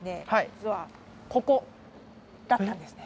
実はここだったんですね